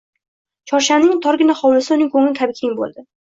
Chorshamning torgina hovlisi uning ko’ngli kabi keng bo’ldi